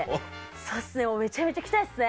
「そうっすねめちゃめちゃ汚いっすね」。